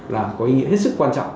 là có ý nghĩa hết sức quan trọng